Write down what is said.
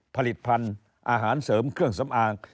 ผลิตภัณฑ์อาหารเสริมเครื่องสำอาง